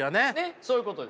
そういうことです。